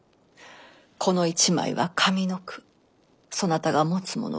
この一枚は上の句そなたが持つ物は下の句。